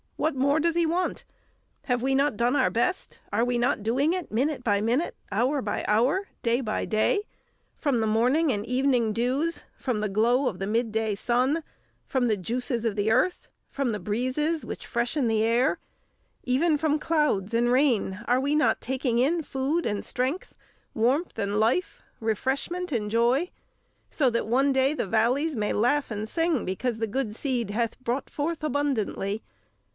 What more does he want? Have we not done our best? Are we not doing it minute by minute, hour by hour, day by day? From the morning and evening dews, from the glow of the midday sun, from the juices of the earth, from the breezes which freshen the air, even from clouds and rain, are we not taking in food and strength, warmth and life, refreshment and joy; so that one day the valleys may laugh and sing, because the good seed hath brought forth abundantly?